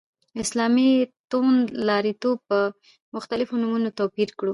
اسلامي توندلاریتوب په مختلفو نومونو توپير کړو.